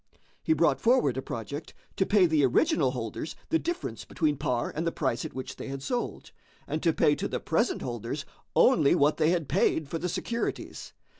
He brought forward a project to pay the original holders the difference between par and the price at which they had sold, and to pay to the present holders only what they had paid for the securities.